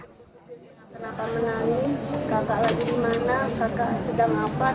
saya tidak pernah menangis kakak lagi dimana kakak sedang apa tidak dijawab